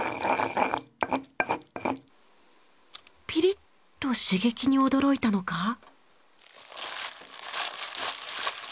ピリッと刺激に驚いたのか。